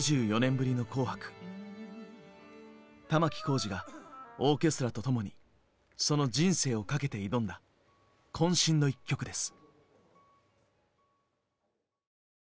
玉置浩二がオーケストラと共にその人生をかけて挑んだ渾身の１曲です。